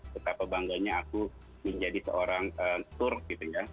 betapa bangganya aku menjadi seorang tour gitu ya